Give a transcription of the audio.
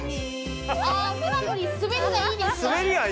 あ普段より滑りがいいですね。